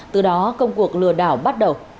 từ đó công cuộc lừa đảo bắt đầu